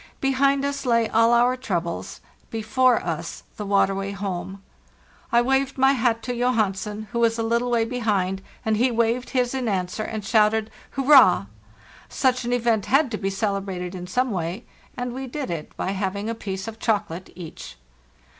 Behind us lay all our troubles, before us the waterway home. I waved my hat to Johansen, who was a little way behind, and he waved his in answer and shouted 'Hurrah!' Such an event had to be celebrated in some way, and we did it by having a piece of chocolate each.